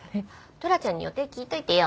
トラちゃんに予定聞いといてよ。